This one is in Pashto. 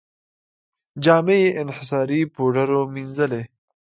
جامې یې انحصاري پوډرو مینځلې.